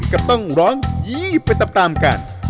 ก็ต้องร้องยี้ไปตามกัน